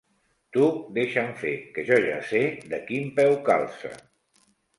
Tu deixa’m fer, que jo ja sé de quin peu calça.